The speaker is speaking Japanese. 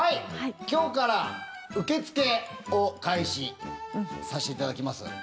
今日から受け付けを開始させていただきます。